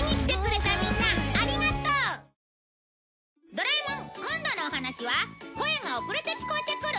『ドラえもん』今度のお話は声が遅れて聞こえてくる？